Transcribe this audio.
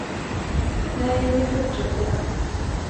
Nej, vi fortsätter.